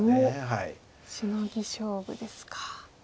シノギ勝負ですか。